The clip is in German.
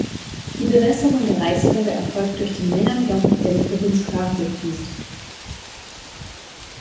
Die Bewässerung der Reisfelder erfolgt durch den Maenam Yom, der die Provinz Phrae durchfließt.